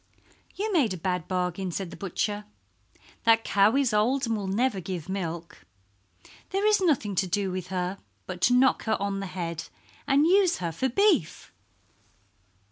"You made a bad bargain," said the butcher. "That cow is old and will never give milk. There is nothing to do with her but to knock her on the head and use her for beef."